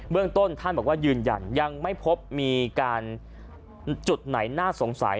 เรื่องต้นท่านบอกว่ายืนยันยังไม่พบมีการจุดไหนน่าสงสัย